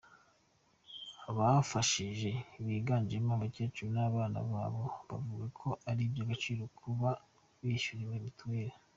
Abafashijwe biganjemo abakecuru n’abana babo, bavuga ko ari iby’agaciro kuba bishyuriwe mituweli.